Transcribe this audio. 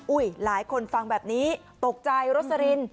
หลายคนฟังแบบนี้ตกใจโรสลิน